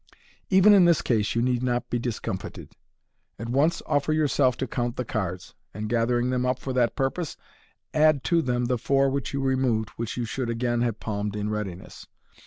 Even in this case you need not be discomfitted. At once offer yourself to count the cards, and, gathering them op for that purpose, add to them the four which you removed, which you should again have palmed in readiness.